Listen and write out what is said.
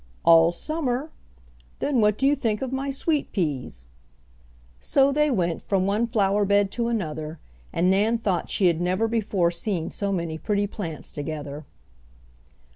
"All summer. Then, what do you think of my sweet peas?" So they went from one flower bed to another, and Nan thought she had never before seen so many pretty plants together.